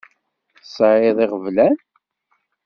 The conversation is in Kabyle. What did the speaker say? Tesεiḍ iɣeblan.